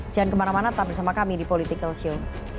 jangan kemana mana tetap bersama kami di politikalshow